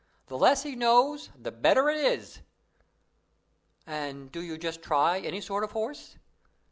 The less he knows, the better it is." "Then do you just try any sort of horse?"